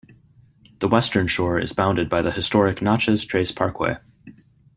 The western shore is bounded by the historic Natchez Trace Parkway.